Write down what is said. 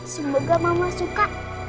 semoga mama suka